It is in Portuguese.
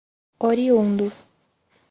oriundo